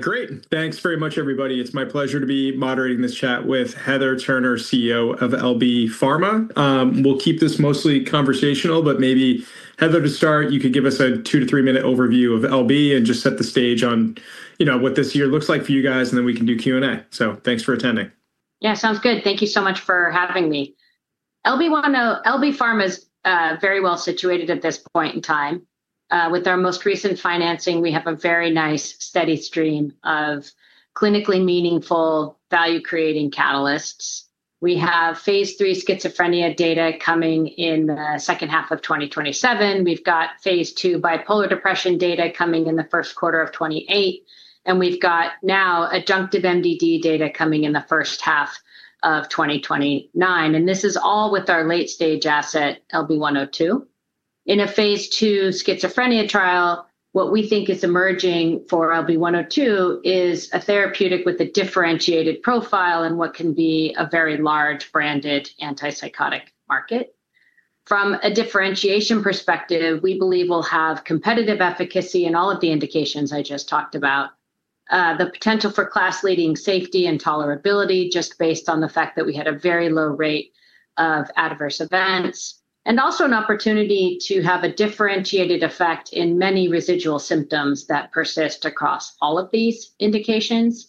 Great. Thanks very much, everybody. It's my pleasure to be moderating this chat with Heather Turner, CEO of LB Pharmaceuticals. We'll keep this mostly conversational, but maybe Heather to start, you could give us a 2-3 minute overview of LB and just set the stage on, you know, what this year looks like for you guys, and then we can do Q&A. Thanks for attending. Yeah, sounds good. Thank you so much for having me. LB Pharmaceuticals is very well situated at this point in time. With our most recent financing, we have a very nice steady stream of clinically meaningful value creating catalysts. We have Phase 3 schizophrenia data coming in second half of 2027. We've got Phase 2 bipolar depression data coming in the first quarter of 2028, and we've got now adjunctive MDD data coming in the first half of 2029, and this is all with our late stage asset, LB-102. In a Phase 2 schizophrenia trial, what we think is emerging for LB-102 is a therapeutic with a differentiated profile in what can be a very large branded antipsychotic market. From a differentiation perspective, we believe we'll have competitive efficacy in all of the indications I just talked about. The potential for class leading safety and tolerability just based on the fact that we had a very low rate of adverse events, and also an opportunity to have a differentiated effect in many residual symptoms that persist across all of these indications.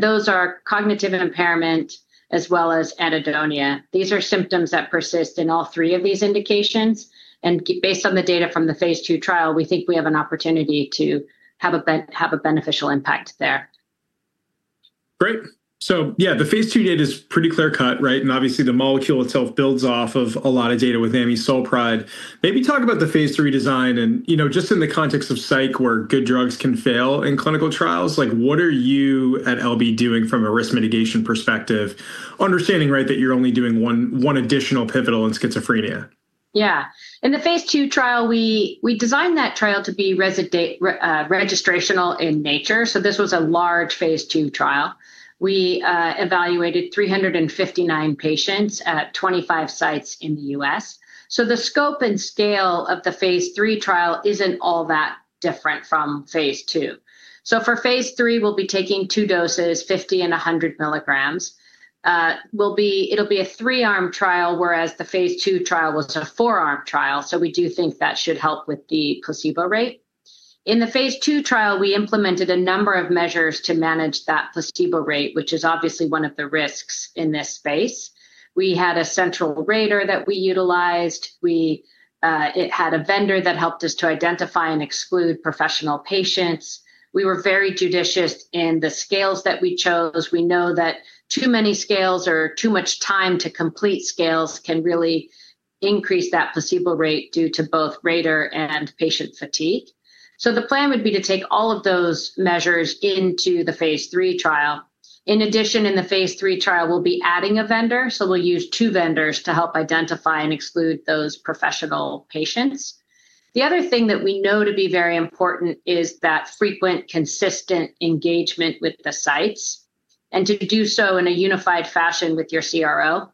Those are cognitive impairment as well as anhedonia. These are symptoms that persist in all three of these indications. Based on the data from the Phase 2 trial, we think we have an opportunity to have a beneficial impact there. Great. Yeah, the Phase 2 data is pretty clear cut, right? Obviously the molecule itself builds off of a lot of data with amisulpride. Maybe talk about the Phase 3 design and, you know, just in the context of psych where good drugs can fail in clinical trials, like what are you at LB doing from a risk mitigation perspective, understanding, right, that you're only doing one additional pivotal in schizophrenia? In the Phase 2 trial, we designed that trial to be registrational in nature, so this was a large Phase 2 trial. We evaluated 359 patients at 25 sites in the U.S. The scope and scale of the Phase 3 trial isn't all that different from Phase 2. For Phase 3, we'll be taking two doses, 50 and 100 milligrams. It'll be a three-arm trial, whereas the Phase 2 trial was a four-arm trial, so we do think that should help with the placebo rate. In the Phase 2 trial, we implemented a number of measures to manage that placebo rate, which is obviously one of the risks in this space. We had a central rater that we utilized. It had a vendor that helped us to identify and exclude professional patients. We were very judicious in the scales that we chose. We know that too many scales or too much time to complete scales can really increase that placebo rate due to both rater and patient fatigue. The plan would be to take all of those measures into the Phase 3 trial. In addition, in the Phase 3 trial, we'll be adding a vendor, so we'll use two vendors to help identify and exclude those professional patients. The other thing that we know to be very important is that frequent, consistent engagement with the sites, and to do so in a unified fashion with your CRO.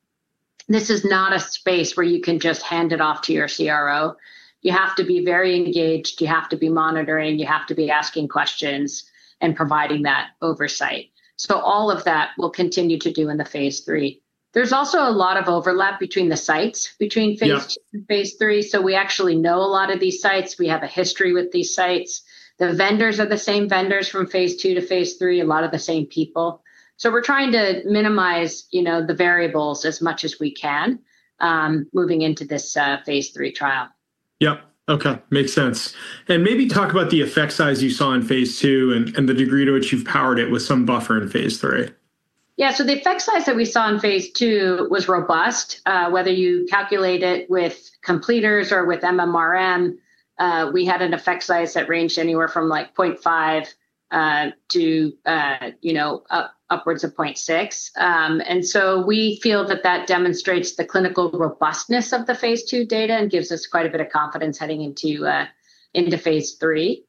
This is not a space where you can just hand it off to your CRO. You have to be very engaged, you have to be monitoring, you have to be asking questions and providing that oversight. All of that we'll continue to do in the Phase 3. There's also a lot of overlap between the sites. Yeah... Phase 2 and Phase 3, so we actually know a lot of these sites. We have a history with these sites. The vendors are the same vendors from Phase 2 to Phase 3, a lot of the same people. We're trying to minimize, you know, the variables as much as we can, moving into this Phase 3 trial. Yep. Okay. Makes sense. Maybe talk about the effect size you saw in Phase 2 and the degree to which you've powered it with some buffer in Phase 3. Yeah. The effect size that we saw in Phase 2 was robust. Whether you calculate it with completers or with MMRM, we had an effect size that ranged anywhere from like 0.5 to you know upwards of 0.6. We feel that demonstrates the clinical robustness of the Phase 2 data and gives us quite a bit of confidence heading into Phase 3.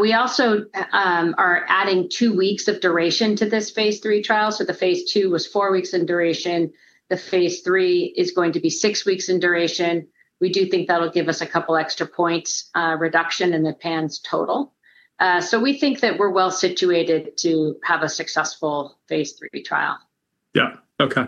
We also are adding 2 weeks of duration to this Phase 3 trial. The Phase 2 was 4 weeks in duration. The Phase 3 is going to be 6 weeks in duration. We do think that'll give us a couple extra points reduction in the PANSS total. We think that we're well situated to have a successful Phase 3 trial. Yeah. Okay.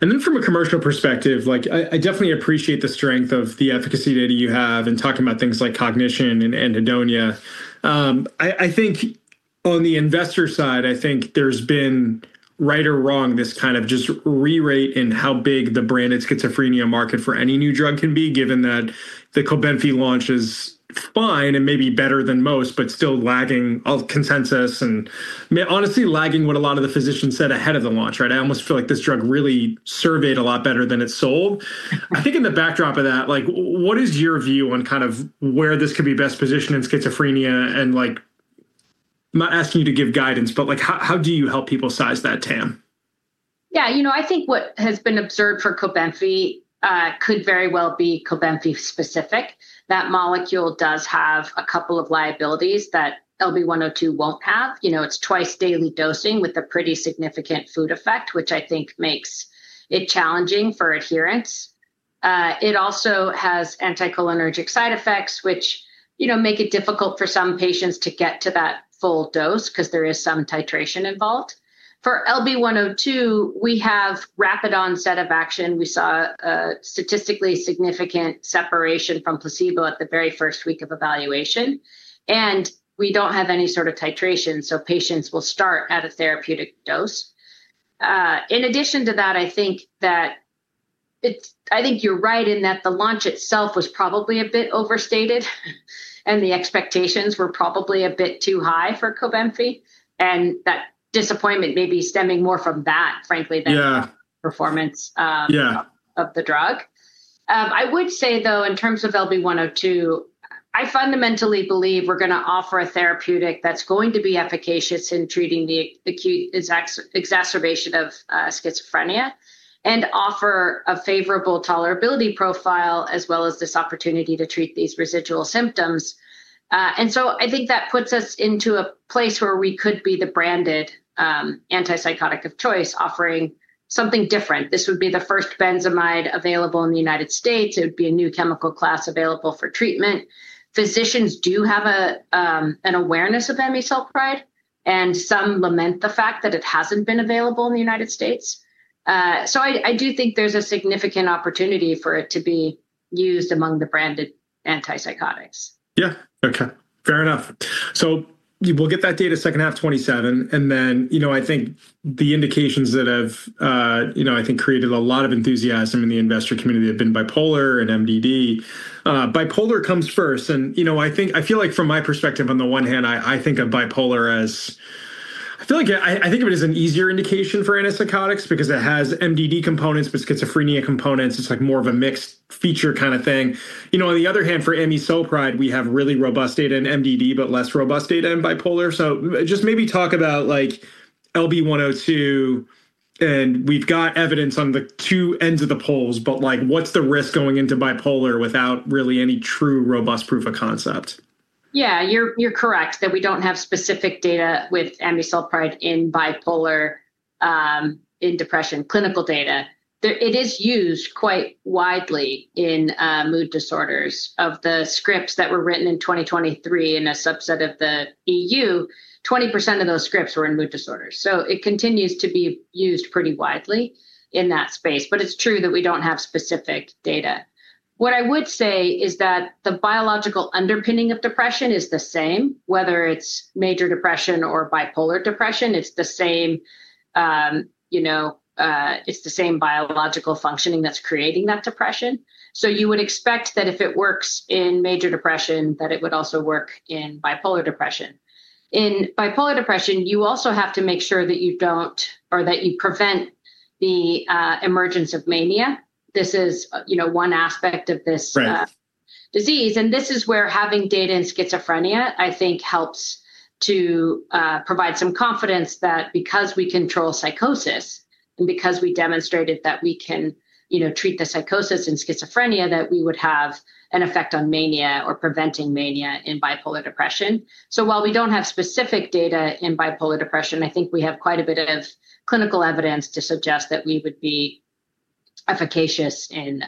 Then from a commercial perspective, like I definitely appreciate the strength of the efficacy data you have and talking about things like cognition and anhedonia. I think on the investor side, I think there's been, right or wrong, this kind of just rerate in how big the branded schizophrenia market for any new drug can be, given that the Uzedy launch is fine and maybe better than most, but still lagging consensus and honestly lagging what a lot of the physicians said ahead of the launch, right? I almost feel like this drug really surveyed a lot better than it sold. I think in the backdrop of that, like what is your view on kind of where this could be best positioned in schizophrenia? Like, I'm not asking you to give guidance, but like how do you help people size that TAM? Yeah. You know, I think what has been observed for Uzedy could very well be Uzedy specific. That molecule does have a couple of liabilities that LB 102 won't have. You know, it's twice daily dosing with a pretty significant food effect, which I think makes it challenging for adherence. It also has anticholinergic side effects, which, you know, make it difficult for some patients to get to that full dose 'cause there is some titration involved. For LB 102, we have rapid onset of action. We saw a statistically significant separation from placebo at the very first week of evaluation, and we don't have any sort of titration, so patients will start at a therapeutic dose. In addition to that, I think you're right in that the launch itself was probably a bit overstated and the expectations were probably a bit too high for Uzedy, and that disappointment may be stemming more from that, frankly. Yeah than the performance. Yeah of the drug. I would say, though, in terms of LB 102, I fundamentally believe we're gonna offer a therapeutic that's going to be efficacious in treating the acute exacerbation of schizophrenia and offer a favorable tolerability profile as well as this opportunity to treat these residual symptoms. I think that puts us into a place where we could be the branded antipsychotic of choice offering something different. This would be the first benzamide available in the United States. It would be a new chemical class available for treatment. Physicians do have a an awareness of amisulpride, and some lament the fact that it hasn't been available in the United States. I do think there's a significant opportunity for it to be used among the branded antipsychotics. Yeah. Okay. Fair enough. We'll get that data second half 2027, and then, you know, I think the indications that have you know I think created a lot of enthusiasm in the investor community have been bipolar and MDD. Bipolar comes first, and, you know, I feel like from my perspective on the one hand, I think of it as an easier indication for antipsychotics because it has MDD components but schizophrenia components. It's like more of a mixed feature kinda thing. You know, on the other hand, for amisulpride, we have really robust data in MDD, but less robust data in bipolar. Just maybe talk about, like, LB-102, and we've got evidence on the two ends of the poles, but, like, what's the risk going into bipolar without really any true robust proof of concept? Yeah, you're correct that we don't have specific data with amisulpride in bipolar in depression clinical data. It is used quite widely in mood disorders. Of the scripts that were written in 2023 in a subset of the EU, 20% of those scripts were in mood disorders. It continues to be used pretty widely in that space, but it's true that we don't have specific data. What I would say is that the biological underpinning of depression is the same, whether it's major depression or bipolar depression. It's the same, you know, biological functioning that's creating that depression. You would expect that if it works in major depression, that it would also work in bipolar depression. In bipolar depression, you also have to make sure that you don't or that you prevent the emergence of mania. This is, you know, one aspect of this. Right Disease, and this is where having data in schizophrenia, I think, helps to provide some confidence that because we control psychosis and because we demonstrated that we can, you know, treat the psychosis in schizophrenia, that we would have an effect on mania or preventing mania in bipolar depression. While we don't have specific data in bipolar depression, I think we have quite a bit of clinical evidence to suggest that we would be efficacious in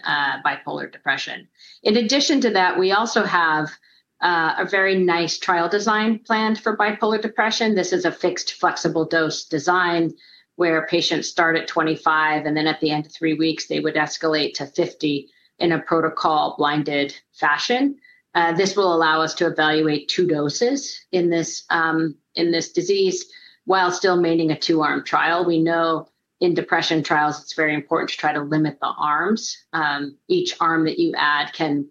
bipolar depression. In addition to that, we also have a very nice trial design planned for bipolar depression. This is a fixed flexible dose design where patients start at 25, and then at the end of three weeks, they would escalate to 50 in a protocol blinded fashion. This will allow us to evaluate two doses in this disease while still maintaining a two-arm trial. We know in depression trials it's very important to try to limit the arms. Each arm that you add can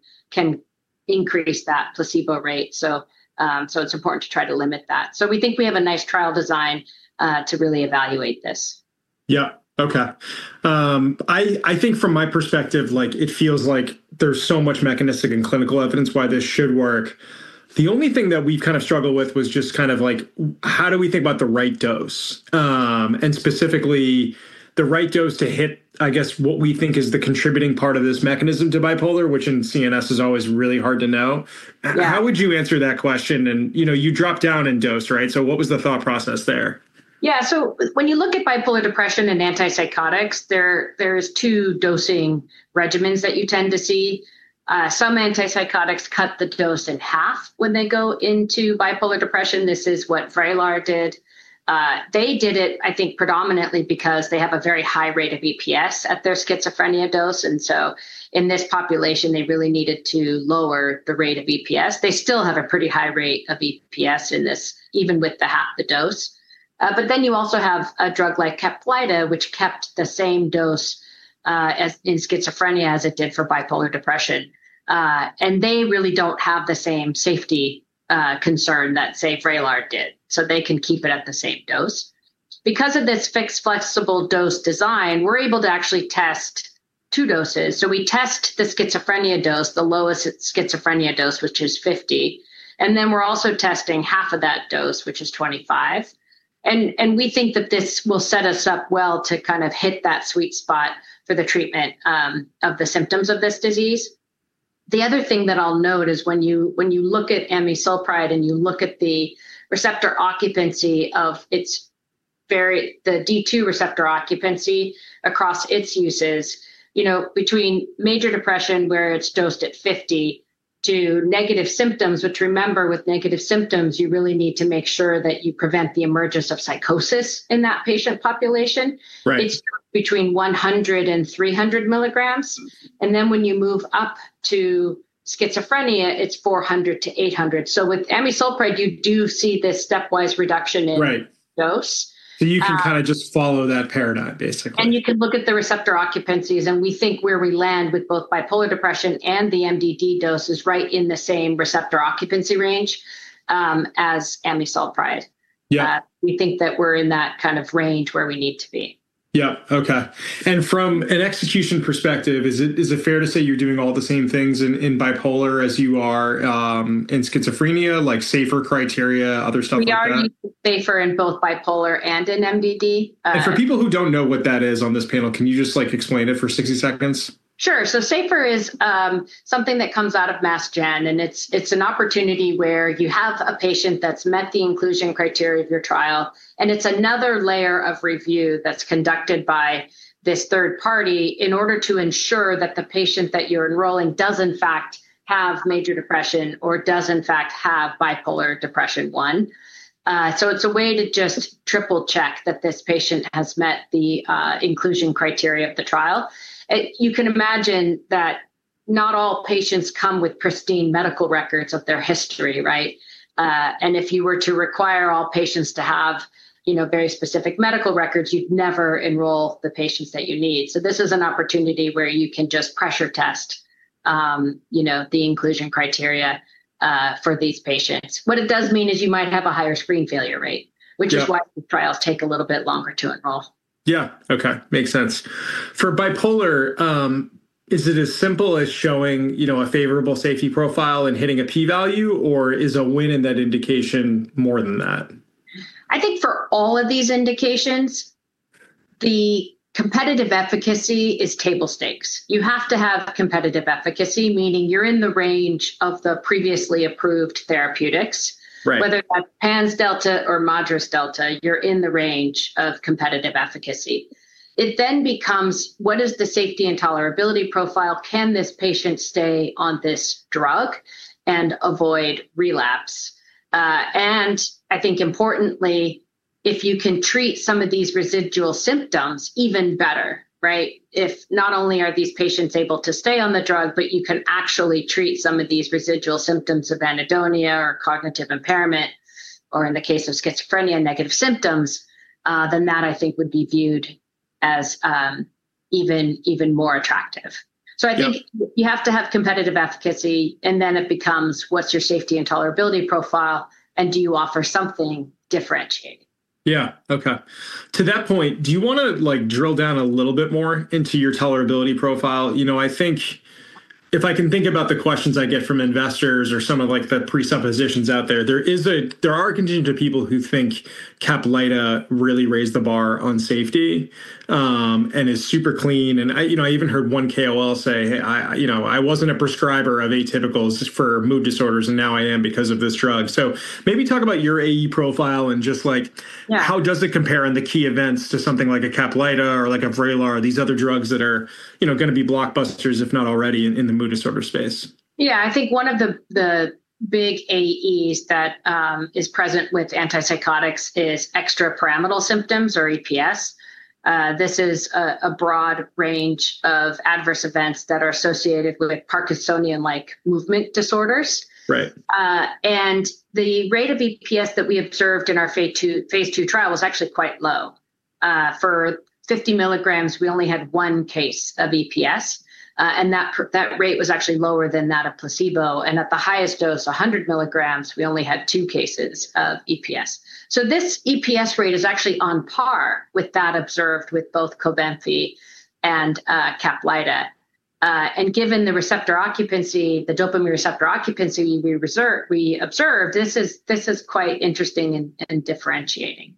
increase that placebo rate. It's important to try to limit that. We think we have a nice trial design to really evaluate this. Yeah. Okay. I think from my perspective, like, it feels like there's so much mechanistic and clinical evidence why this should work. The only thing that we've kind of struggled with was just kind of like how do we think about the right dose? And specifically the right dose to hit, I guess, what we think is the contributing part of this mechanism to bipolar, which in CNS is always really hard to know. Yeah. How would you answer that question? You know, you dropped down in dose, right? What was the thought process there? Yeah. When you look at bipolar depression and antipsychotics, there is two dosing regimens that you tend to see. Some antipsychotics cut the dose in half when they go into bipolar depression. This is what Vraylar did. They did it, I think, predominantly because they have a very high rate of EPS at their schizophrenia dose, and so in this population, they really needed to lower the rate of EPS. They still have a pretty high rate of EPS in this, even with half the dose. You also have a drug like Caplyta, which kept the same dose, as in schizophrenia as it did for bipolar depression. They really don't have the same safety concern that, say, Vraylar did, so they can keep it at the same dose. Because of this fixed flexible dose design, we're able to actually test two doses. We test the schizophrenia dose, the lowest schizophrenia dose, which is 50, and then we're also testing half of that dose, which is 25. We think that this will set us up well to kind of hit that sweet spot for the treatment of the symptoms of this disease. The other thing that I'll note is when you look at amisulpride and you look at the D2 receptor occupancy across its uses, you know, between major depression where it's dosed at 50 to negative symptoms, which, remember, with negative symptoms you really need to make sure that you prevent the emergence of psychosis in that patient population. Right. It's between 100 and 300 milligrams. Then when you move up to schizophrenia, it's 400-800. With amisulpride you do see this stepwise reduction in- Right dose. You can kind of just follow that paradigm basically. You can look at the receptor occupancies, and we think where we land with both bipolar depression and the MDD dose is right in the same receptor occupancy range, as amisulpride. Yeah. We think that we're in that kind of range where we need to be. Yeah. Okay. From an execution perspective, is it fair to say you're doing all the same things in bipolar as you are in schizophrenia, like SAFER criteria, other stuff like that? We are using SAFER in both bipolar and in MDD. For people who don't know what that is on this panel, can you just like explain it for 60 seconds? Sure. SAFER is something that comes out of Mass Gen and it's an opportunity where you have a patient that's met the inclusion criteria of your trial, and it's another layer of review that's conducted by this third party in order to ensure that the patient that you're enrolling does in fact have major depression or does in fact have bipolar depression one. It's a way to just triple check that this patient has met the inclusion criteria of the trial. You can imagine that not all patients come with pristine medical records of their history, right? If you were to require all patients to have, you know, very specific medical records, you'd never enroll the patients that you need. This is an opportunity where you can just pressure test, you know, the inclusion criteria for these patients. What it does mean is you might have a higher screen failure rate. Yeah which is why the trials take a little bit longer to enroll. Yeah. Okay. Makes sense. For bipolar, is it as simple as showing, you know, a favorable safety profile and hitting a P value, or is a win in that indication more than that? I think for all of these indications, the competitive efficacy is table stakes. You have to have competitive efficacy, meaning you're in the range of the previously approved therapeutics. Right. Whether PANSS delta or MADRS delta, you're in the range of competitive efficacy. It then becomes what is the safety and tolerability profile? Can this patient stay on this drug and avoid relapse? I think importantly, if you can treat some of these residual symptoms even better, right? If not only are these patients able to stay on the drug, but you can actually treat some of these residual symptoms of anhedonia or cognitive impairment or in the case of schizophrenia, negative symptoms, then that I think would be viewed as even more attractive. Yeah. I think you have to have competitive efficacy and then it becomes what's your safety and tolerability profile and do you offer something differentiating? Yeah. Okay. To that point, do you wanna like drill down a little bit more into your tolerability profile? You know, I think if I can think about the questions I get from investors or some of like the presuppositions out there are a contingent of people who think Caplyta really raised the bar on safety, and is super clean. I, you know, even heard one KOL say, "Hey, you know, I wasn't a prescriber of atypicals for mood disorders and now I am because of this drug." Maybe talk about your AE profile and just like- Yeah How does it compare in the key events to something like a Caplyta or like a Vraylar or these other drugs that are, you know, gonna be blockbusters if not already in the mood disorder space? Yeah. I think one of the big AEs that is present with antipsychotics is extrapyramidal symptoms or EPS. This is a broad range of adverse events that are associated with Parkinsonian-like movement disorders. Right. The rate of EPS that we observed in our Phase 2 trial was actually quite low. For 50 milligrams we only had one case of EPS, and that rate was actually lower than that of placebo. At the highest dose, 100 milligrams, we only had two cases of EPS. This EPS rate is actually on par with that observed with both Uzedy and Caplyta. Given the receptor occupancy, the dopamine receptor occupancy we observed, this is quite interesting and differentiating.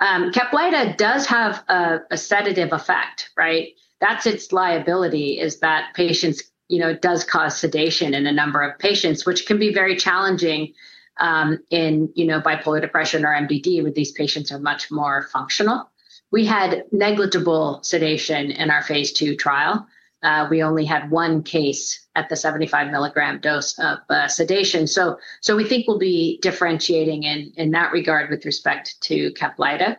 Caplyta does have a sedative effect, right? That's its liability is that patients you know it does cause sedation in a number of patients, which can be very challenging in you know bipolar depression or MDD where these patients are much more functional. We had negligible sedation in our Phase 2 trial. We only had one case at the 75 milligram dose of sedation. We think we'll be differentiating in that regard with respect to Caplyta.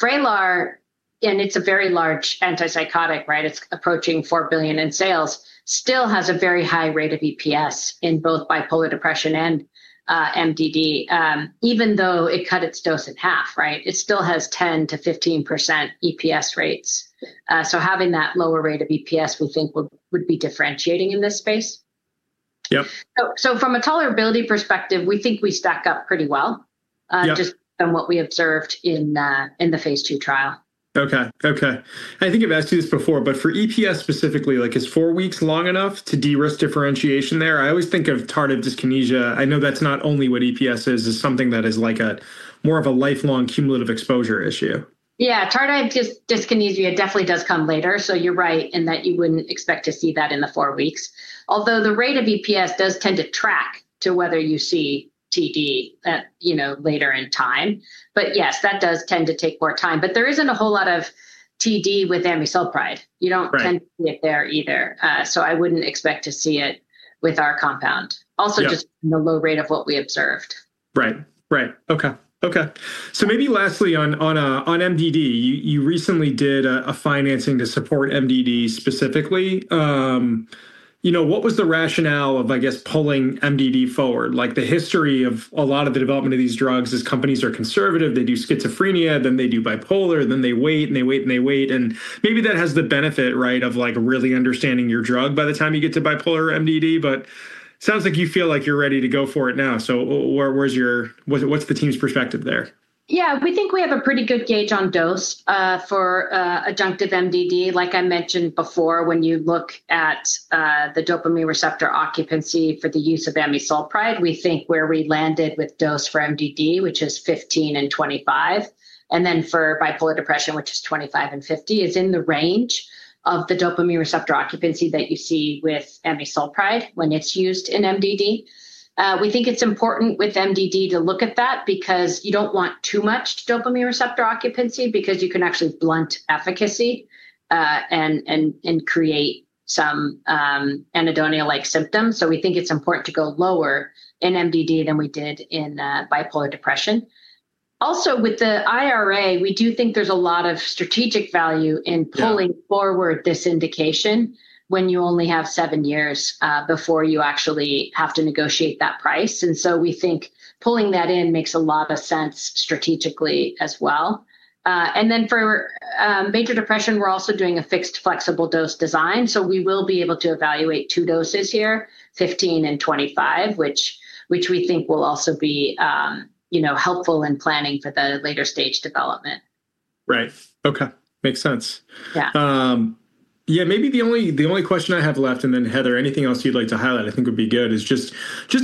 Vraylar, and it's a very large antipsychotic, right, it's approaching $4 billion in sales, still has a very high rate of EPS in both bipolar depression and MDD. Even though it cut its dose in half, right, it still has 10%-15% EPS rates. Having that lower rate of EPS we think would be differentiating in this space. Yep. From a tolerability perspective, we think we stack up pretty well. Yep. Just from what we observed in the Phase 2 trial. Okay. I think I've asked you this before, but for EPS specifically, like is four weeks long enough to de-risk differentiation there? I always think of tardive dyskinesia. I know that's not only what EPS is. It's something that is like a more of a lifelong cumulative exposure issue. Yeah, tardive dyskinesia definitely does come later, so you're right in that you wouldn't expect to see that in the four weeks. Although the rate of EPS does tend to track to whether you see TD at, you know, later in time. Yes, that does tend to take more time. There isn't a whole lot of TD with amisulpride. Right. You don't tend to see it there either. I wouldn't expect to see it with our compound. Yeah. Just the low rate of what we observed. Right. Okay. Maybe lastly on MDD, you recently did a financing to support MDD specifically. You know, what was the rationale of, I guess, pulling MDD forward? Like, the history of a lot of the development of these drugs is companies are conservative, they do schizophrenia, then they do bipolar, and then they wait. Maybe that has the benefit, right, of like really understanding your drug by the time you get to bipolar MDD, but sounds like you feel like you're ready to go for it now. Where's your? What's the team's perspective there? Yeah. We think we have a pretty good gauge on dose for adjunctive MDD. Like I mentioned before, when you look at the dopamine receptor occupancy for the use of amisulpride, we think where we landed with dose for MDD, which is 15 and 25, and then for bipolar depression, which is 25 and 50, is in the range of the dopamine receptor occupancy that you see with amisulpride when it's used in MDD. We think it's important with MDD to look at that because you don't want too much dopamine receptor occupancy because you can actually blunt efficacy and create some anhedonia-like symptoms. We think it's important to go lower in MDD than we did in bipolar depression. Also, with the IRA, we do think there's a lot of strategic value in- Yeah Pulling forward this indication when you only have seven years before you actually have to negotiate that price. We think pulling that in makes a lot of sense strategically as well. Then for major depression, we're also doing a fixed flexible dose design, so we will be able to evaluate two doses here, 15 and 25, which we think will also be, you know, helpful in planning for the later stage development. Right. Okay. Makes sense. Yeah. Yeah, maybe the only question I have left, and then Heather, anything else you'd like to highlight I think would be good, is just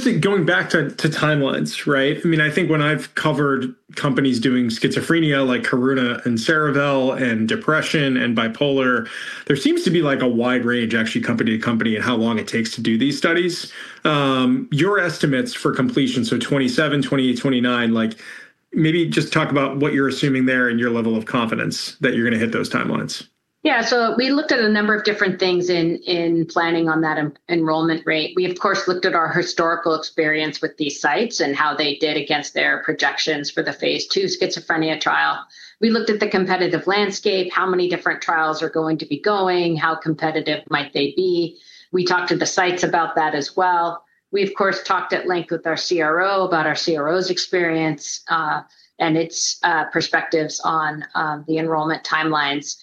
in going back to timelines, right? I mean, I think when I've covered companies doing schizophrenia like Karuna and Cerevel and depression and bipolar, there seems to be like a wide range actually company to company in how long it takes to do these studies. Your estimates for completion, so 2027, 2028, 2029, like maybe just talk about what you're assuming there and your level of confidence that you're gonna hit those timelines. Yeah. We looked at a number of different things in planning on that enrollment rate. We of course looked at our historical experience with these sites and how they did against their projections for the Phase II schizophrenia trial. We looked at the competitive landscape, how many different trials are going to be going, how competitive might they be. We talked to the sites about that as well. We of course talked at length with our CRO about our CRO's experience, and its perspectives on the enrollment timelines.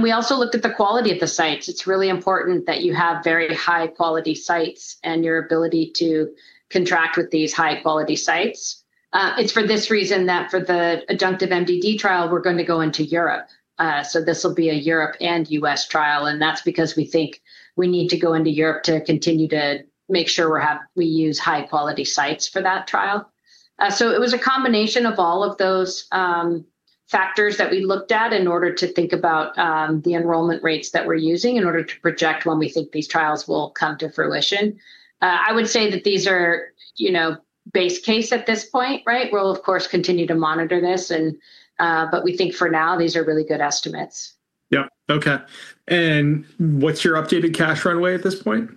We also looked at the quality of the sites. It's really important that you have very high quality sites and your ability to contract with these high quality sites. It's for this reason that for the adjunctive MDD trial we're gonna go into Europe. This will be a Europe and U.S. trial, and that's because we think we need to go into Europe to continue to make sure we use high quality sites for that trial. It was a combination of all of those factors that we looked at in order to think about the enrollment rates that we're using in order to project when we think these trials will come to fruition. I would say that these are, you know, base case at this point, right? We'll of course continue to monitor this and but we think for now these are really good estimates. Yeah. Okay. What's your updated cash runway at this point?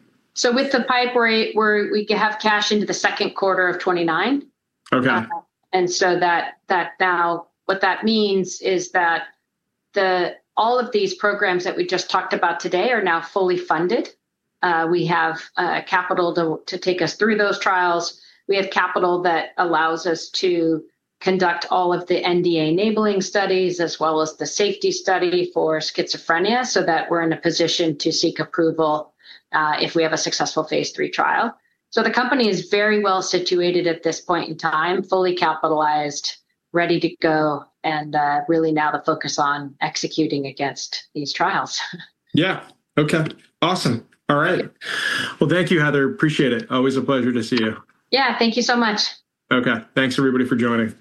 With the PIPE, we have cash into the second quarter of 2029. Okay. That now what that means is that all of these programs that we just talked about today are now fully funded. We have capital to take us through those trials. We have capital that allows us to conduct all of the NDA enabling studies as well as the safety study for schizophrenia so that we're in a position to seek approval if we have a successful Phase III trial. The company is very well situated at this point in time, fully capitalized, ready to go, and really now the focus on executing against these trials. Yeah. Okay. Awesome. All right. Yeah. Well, thank you, Heather. Appreciate it. Always a pleasure to see you. Yeah, thank you so much. Okay. Thanks everybody for joining.